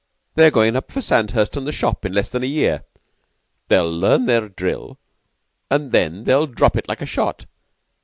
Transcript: They're goin' up for Sandhurst or the Shop in less than a year. They'll learn their drill an' then they'll drop it like a shot.